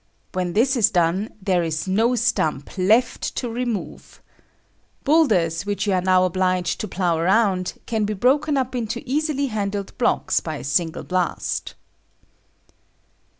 When this is done, there is no stump left to remove. Boulders, which you are now obliged to plow around, can be broken up into easily handled blocks by a single blast.